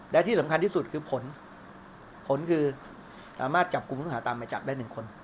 และที่สำคัญที่สุดคือผลผลคือสามารถจับกลุ่มผู้ต้องหาตามมาจับได้๑คน